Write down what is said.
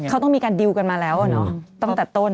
เขาต้องมีการดิวกันมาแล้วตั้งแต่ต้น